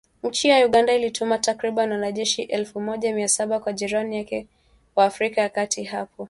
Nchi ya Uganda ilituma takribani wanajeshi elfu moja mia saba kwa jirani yake wa Afrika ya kati hapo